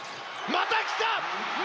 また来た！